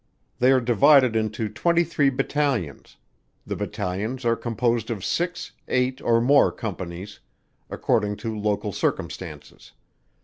They are divided into twenty three battalions; the battalions are composed of six, eight, or more companies, according to local circumstances.